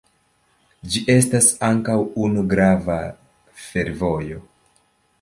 Ĝi estas ankaŭ unu grava fervojo.